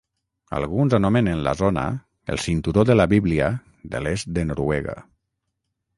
Alguns anomenen la zona "el cinturó de la bíblia" de l'est de Noruega.